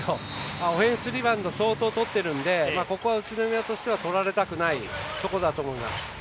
オフェンスリバウンド相当とってるのでここは宇都宮としてはとられたくないところだと思います。